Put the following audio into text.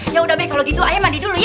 yaudah baik kalau gitu ayo mandi dulu ye